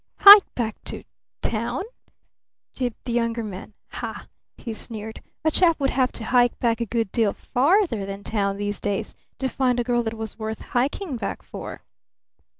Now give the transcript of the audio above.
"Hike back to town?" gibed the Younger Man. "Ha!" he sneered. "A chap would have to hike back a good deal farther than 'town' these days to find a girl that was worth hiking back for!